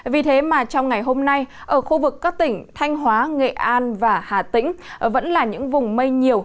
vì thế mà trong ngày hôm nay ở khu vực các tỉnh thanh hóa nghệ an và hà tĩnh vẫn là những vùng mây nhiều